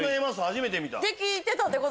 初めて見た。